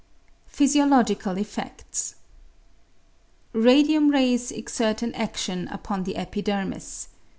Pliysiological Effects. Radium rays exert an atflion upon the epidermis.